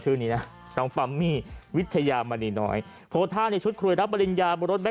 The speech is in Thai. ชาวเดี่ยวก็ไปกดไลค์หื้อถ่ายภาพคนแด้